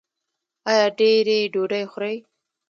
ایا ډیرې ډوډۍ خورئ؟